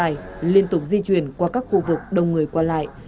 hành vi xâm nhập trai liên tục di chuyển qua các khu vực đông người qua lại